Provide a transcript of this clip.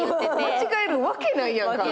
間違えるわけないやんか。